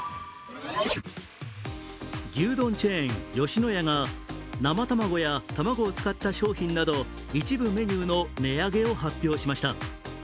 牛丼チェーン吉野家が生卵や卵を使った商品など一部メニューの値上げを発表しました。